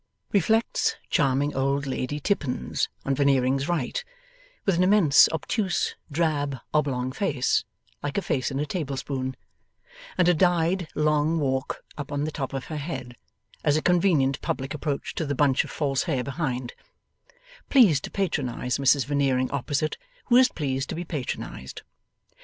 Reflects charming old Lady Tippins on Veneering's right; with an immense obtuse drab oblong face, like a face in a tablespoon, and a dyed Long Walk up the top of her head, as a convenient public approach to the bunch of false hair behind, pleased to patronize Mrs Veneering opposite, who is pleased to be patronized.